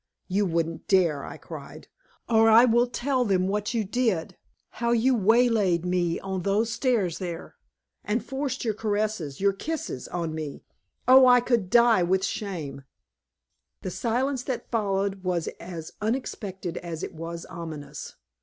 "You wouldn't dare," I cried, "or I will tell them what you did! How you waylaid me on those stairs there, and forced your caresses, your kisses, on me! Oh, I could die with shame!" The silence that followed was as unexpected as it was ominous.